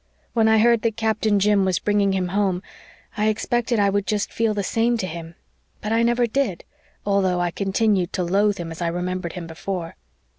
When I heard that Captain Jim was bringing him home I expected I would just feel the same to him. But I never did although I continued to loathe him as I remembered him before.